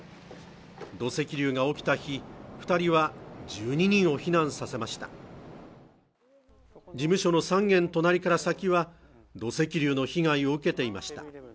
土石流が起きた日二人は１２人を避難させました事務所の三軒隣から先は土石流の被害を受けていました